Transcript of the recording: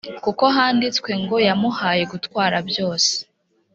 kuko handitswe ngo yamuhaye gutwara byose